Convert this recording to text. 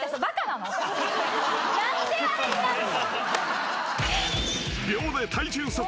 何であれになんの？